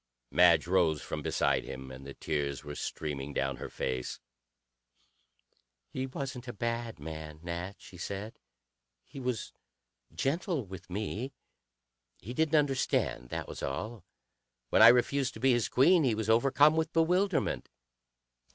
Madge rose from beside him, and the tears were streaming down her face. "He wasn't a bad man, Nat," she said. "He was gentle with me. He didn't understand; that was all. When I refused to be his queen, he was overcome with bewilderment.